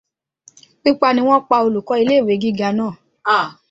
Pípa ni wọ́n pa olùkọ́ ilé-ìwé gíga náà.